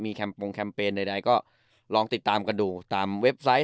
แคมปงแคมเปญใดก็ลองติดตามกันดูตามเว็บไซต์